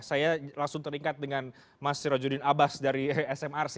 saya langsung teringat dengan mas sirojudin abas dari smrc